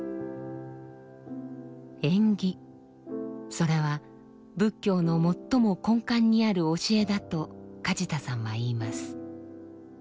それは仏教の最も根幹にある教えだと梶田さんは言います。